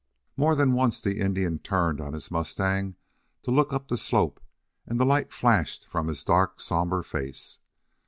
More than once the Indian turned on his mustang to look up the slope and the light flashed from his dark, somber face.